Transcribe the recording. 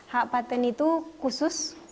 hak patent itu khusus